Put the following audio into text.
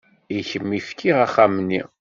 I kemm i fkiɣ axxam-nni.